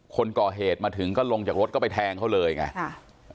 คนก่อเหตุมาถึงก็ลงจากรถก็ไปแทงเขาเลยไงค่ะ